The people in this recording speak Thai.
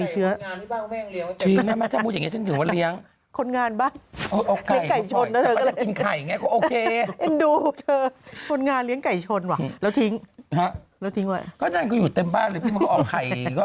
หูยยยยดูหน้าตามีเชื้อ